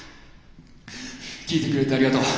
聴いてくれてありがとう。